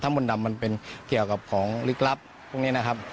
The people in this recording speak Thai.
มนต์ดำมันเป็นเกี่ยวกับของลึกลับพวกนี้นะครับ